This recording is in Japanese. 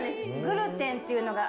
グルテンっていうのが。